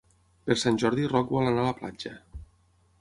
Per Sant Jordi en Roc vol anar a la platja.